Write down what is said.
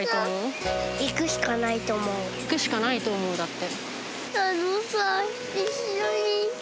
行くしかないと思うだって。